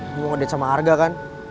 lo mau ngedate sama arga kan